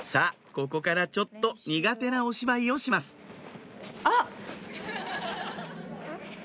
ここからちょっと苦手なお芝居をしますんっ？